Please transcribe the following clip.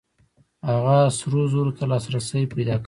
هغه سرو زرو ته لاسرسی پیدا کوي.